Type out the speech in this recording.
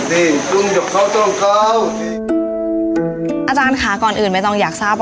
ขออนุญาตมาจุดข่าวออฟม่านักรวมกันี้นะครับ